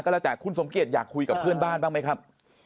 แล้วแต่คุณสมเกียจอยากคุยกับเพื่อนบ้านบ้างไหมครับ